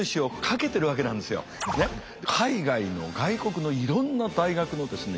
海外の外国のいろんな大学のですね